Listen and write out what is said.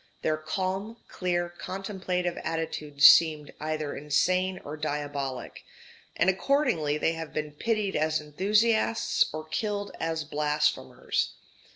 Their calm, clear, contemplative attitude seemed either insane or diabolic; and accordingly they have been pitied as enthusiasts or killed as blasphemers.